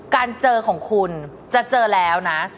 การเจอของคุณจะเจอแล้วนะ